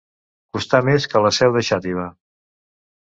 Costar més que la seu de Xàtiva.